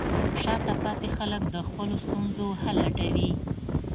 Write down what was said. شاته پاتې خلک د خپلو ستونزو حل لټوي.